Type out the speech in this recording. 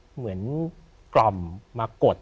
เหมือนกล่อมมากด